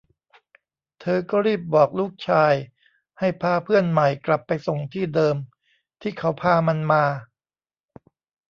เธอก็รีบบอกลูกชายให้พาเพื่อนใหม่กลับไปส่งที่เดิมที่เขาพามันมา